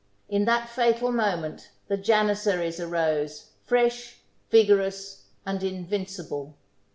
In that fatal moment the Janizaries arose, fresh, vigorous, and invincible.